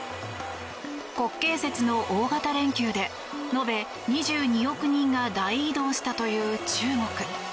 国慶節の大型連休で延べ２２億人が大移動したという中国。